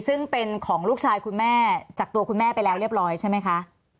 ซึ่งเป็นของลูกชายคุณแม่จากตัวคุณแม่ไปแล้วเรียบร้อยใช่ไหมคะ